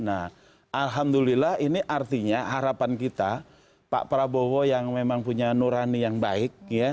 nah alhamdulillah ini artinya harapan kita pak prabowo yang memang punya nurani yang baik